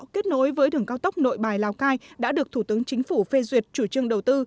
kết nối với đường cao tốc nội bài lào cai đã được thủ tướng chính phủ phê duyệt chủ trương đầu tư